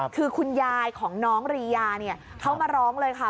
คือคุณยายของน้องรียาเนี่ยเขามาร้องเลยค่ะ